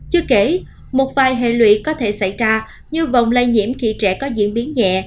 chưa kể một vài hệ lụy có thể xảy ra như vòng lây nhiễm khi trẻ có diễn biến nhẹ